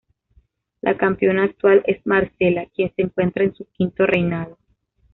La campeona actual es Marcela, quien se encuentra en su quinto reinado.